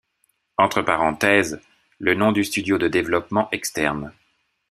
Entre parenthèses, le nom du studio de développement externe.